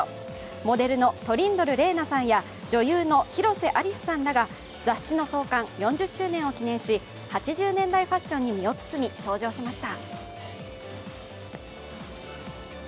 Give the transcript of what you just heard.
モデルのトリンドル玲奈さんや女優の広瀬アリスさんらが雑誌の創刊４０周年を記念し８０年代ファッションに身を包み登場しました。